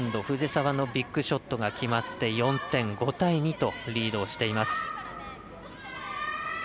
藤澤のビッグショットが決まって４点５対２とリードしています。